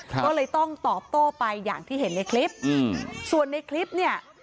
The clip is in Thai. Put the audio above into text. ก็เลยต้องตอบโต้ไปอย่างที่เห็นในคลิปอืมส่วนในคลิปเนี่ย